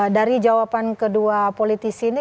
dari jawaban kedua politisi ini